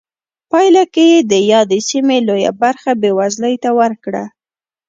پایله کې یې د یادې سیمې لویه برخه بېوزلۍ ته ورکړه.